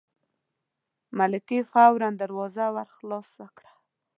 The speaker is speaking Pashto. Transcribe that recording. ملکې فوراً دروازه ور خلاصه کړه.